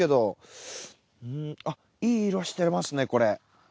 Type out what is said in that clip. あっいい色してますねこれ。